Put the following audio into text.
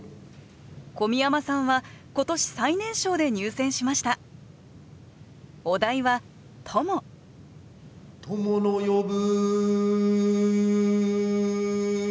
小宮山さんは今年最年少で入選しました「友の呼ぶ」。